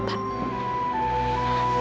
bapak pengen iksa saya di sini